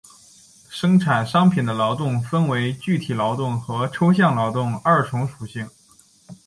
生产商品的劳动分为具体劳动和抽象劳动二重属性。